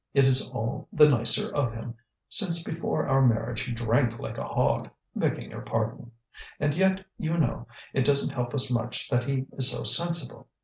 It is all the nicer of him, since before our marriage he drank like a hog, begging your pardon. And yet, you know, it doesn't help us much that he is so sensible.